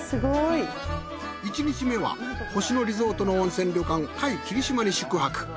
１日目は星野リゾートの温泉旅館界霧島に宿泊。